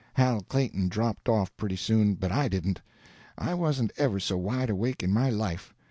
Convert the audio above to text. Hal Clayton dropped off pretty soon, but I didn't; I wasn't ever so wide awake in my life.